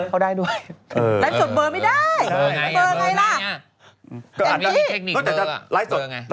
เอานิ้วเข้าไปแปะ